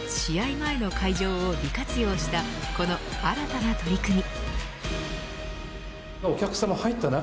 前の会場を利活用したこの新たな取り組み。